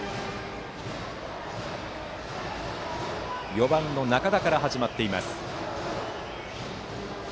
バッターは４番の仲田から始まっています。